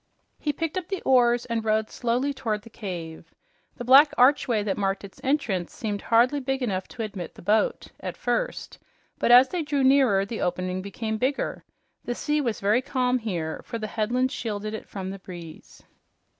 He picked up the oars and rowed slowly toward the cave. The black archway that marked its entrance seemed hardly big enough to admit the boat at first, but as they drew nearer, the opening became bigger. The sea was very calm here, for the headland shielded it from the breeze.